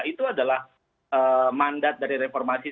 itu adalah mandat dari reformasi sembilan puluh delapan